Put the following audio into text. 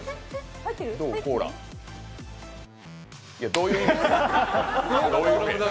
どういう意味や。